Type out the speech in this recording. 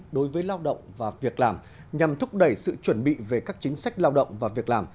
đối với lao động và việc làm nhằm thúc đẩy sự chuẩn bị về các chính sách lao động và việc làm